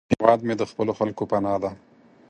هیواد مې د خپلو خلکو پناه ده